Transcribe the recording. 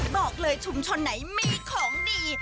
บอกเลยชุมชนไหนมีของดี